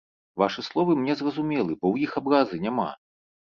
Вашы словы мне зразумелы, бо ў іх абразы няма.